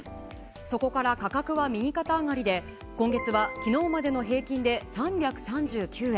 そこから価格は右肩上がりで、今月はきのうまでの平均で３３９円。